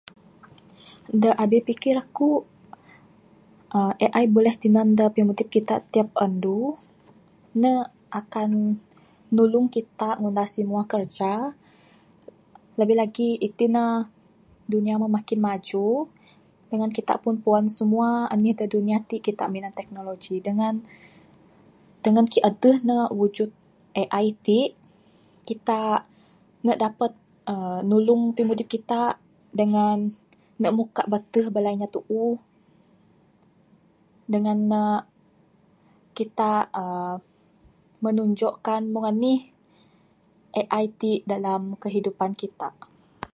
Dak abih pikir aku aaa AI buleh tinan dak abih pimudip kita tiap andu, ne akan nulung kita ngundah simua kerja lebih lagi iti nek dunia moh makin maju dengan kita pun puan semua anih dak dunia ti kita minan teknologi dengan, dengan adeh nek wujid AI ti kita ne dapat aaa nulung pimudip kita dengan ne muka bateh bala inya tuuh dengan nek kita aaa menunjukkan mung anih AI ti dalam kehidupan kita.